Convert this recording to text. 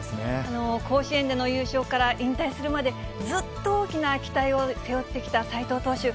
甲子園での優勝から、引退するまでずっと大きな期待を背負ってきた斎藤投手。